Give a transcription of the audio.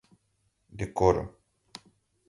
decoro